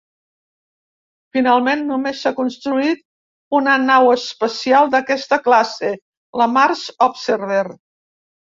Finalment només s'ha construït una nau espacial d'aquesta classe, la "Mars Observer".